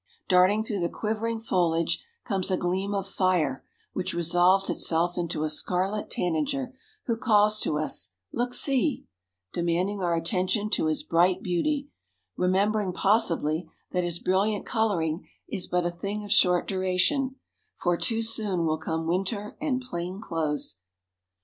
Darting through the quivering foliage comes a gleam of fire, which resolves itself into a scarlet tanager who calls to us, "look see," demanding our attention to his bright beauty, remembering possibly that his brilliant coloring is but a thing of short duration, for too soon will come winter and plain clothes.